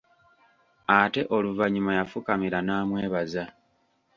Ate oluvannyuma yafukamira n'amwebaza.